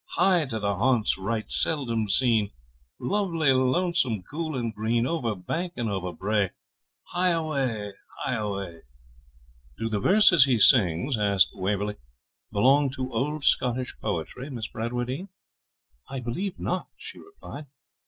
Hie to haunts right seldom seen, Lovely, lonesome, cool, and green, Over bank and over brae, Hie away, hie away. 'Do the verses he sings,' asked Waverley, 'belong to old Scottish poetry, Miss Bradwardine?' 'I believe not,' she replied.